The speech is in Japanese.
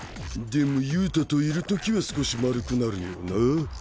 でも憂太といるときは少し丸くなるよな。